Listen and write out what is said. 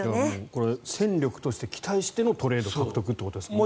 これ、戦力として期待してのトレード獲得ということですよね。